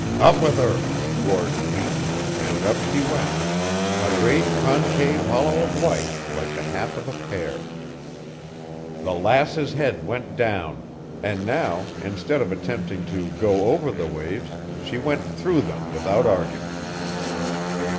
"Up with her!" roared Pete, and up she went, a great concave hollow of white like the half of a pear. The Lass's head went down, and now, instead of attempting to go over the waves, she went through them without argument.